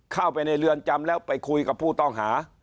เข้าไปในเรือนจำแล้วไปคุยกับผู้ต้องหา